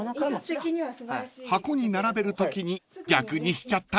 ［箱に並べるときに逆にしちゃったみたい］